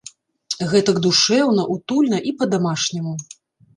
Гэтак душэўна, утульна і па-дамашняму.